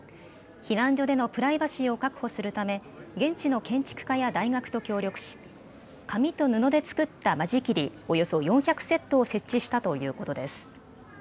避難所でのプライバシーを確保するため現地の建築家や大学と協力し、紙と布で作った間仕切りおよそ４００セットを設置したということです。